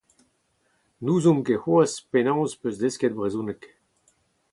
N’ouzomp ket c’hoazh penaos ez peus desket brezhoneg.